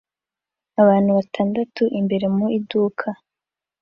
Abantu batandatu imbere mu iduka